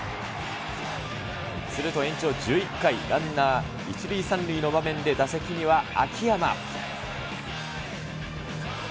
すると延長１１回、ランナー一塁三塁の場面で打席には秋山。